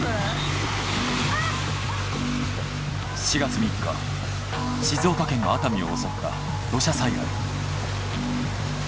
７月３日静岡県熱海を襲った土砂災害。